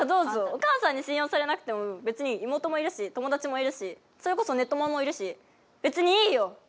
お母さんに信用されなくても別に妹もいるし、友達もいるしそれこそネッ友もいるし別にいいよ。